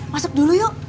masuk dulu yuk